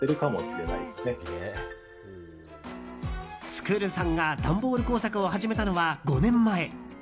つくるさんが段ボール工作を始めたのは５年前。